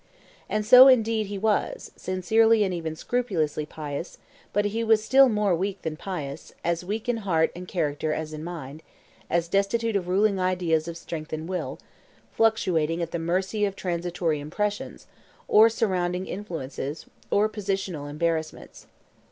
And so indeed he was, sincerely and even scrupulously pious; but he was still more weak than pious, as weak in heart and character as in mind, as destitute of ruling ideas as of strength of will; fluctuating at the mercy of transitory impressions, or surrounding influences, or positional embarrassments.